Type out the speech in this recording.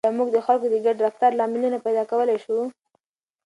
آیا موږ د خلکو د ګډ رفتار لاملونه پیدا کولای شو؟